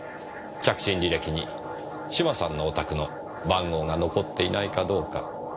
着信履歴に島さんのお宅の番号が残っていないかどうか。